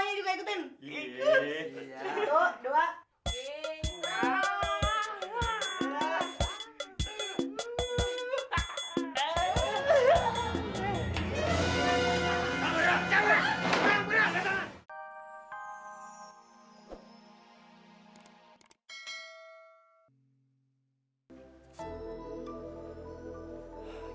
jangan berang jangan berang